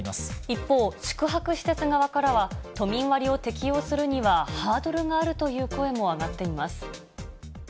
一方、宿泊施設側からは、都民割を適用するにはハードルがあるという声も上がっています。